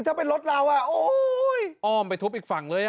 ถ้าเป็นรถเราอ้อมไปทุบอีกฝั่งเลย